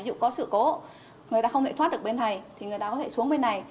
dù có sự cố người ta không thể thoát được bên này thì người ta có thể xuống bên này